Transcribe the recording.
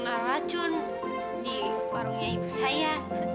nah racun di warungnya ibu saya